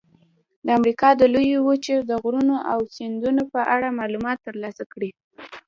د امریکا د لویې وچې د غرونو او سیندونو په اړه معلومات ترلاسه کړئ.